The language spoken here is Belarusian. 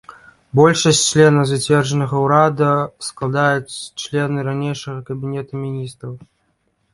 Большасць членаў зацверджанага ўрада складаюць члены ранейшага кабінета міністраў.